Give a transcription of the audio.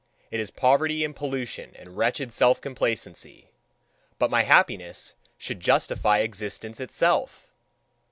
It is poverty and pollution and wretched self complacency. But my happiness should justify existence itself!"